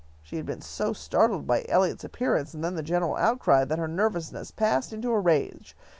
She had been so startled by Eliot's appearance and then the general outcry, that her nervousness passed into a rage.